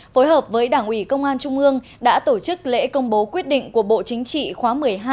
phối hợp với đảng ủy công an trung ương đã tổ chức lễ công bố quyết định của bộ chính trị khóa một mươi hai